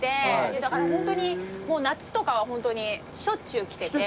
だからホントに夏とかはホントにしょっちゅう来てて。